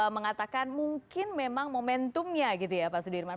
mengatakan mungkin memang momentumnya gitu ya pak sudirman